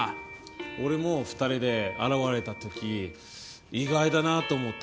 俺も２人で現れた時意外だなと思った。